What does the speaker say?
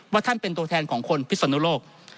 ท่านเป็นตัวแทนของคนพิศนุโลก